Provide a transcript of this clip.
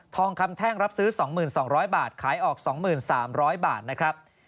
คำแท่งรับซื้อ๒๒๐๐บาทขายออก๒๓๐๐บาทนะครับ